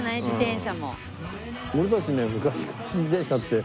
自転車も。